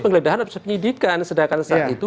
penggeledahan harus penyidikan sedangkan saat itu